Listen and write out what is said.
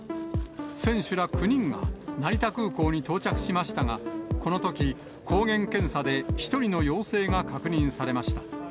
選手ら９人が成田空港に到着しましたが、このとき、抗原検査で１人の陽性が確認されました。